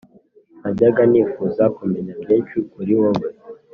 najyaga nifuza kumenya byinshi kuri wowe,